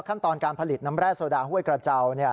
ขั้นตอนการผลิตน้ำแร่โซดาห้วยกระเจ้า